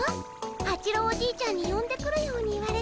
八郎おじいちゃんによんでくるように言われて。